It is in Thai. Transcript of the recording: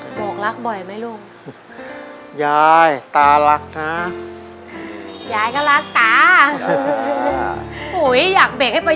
บอกรักบ่อยไหมลูกยายตารักนะยายก็รักตากให้ไป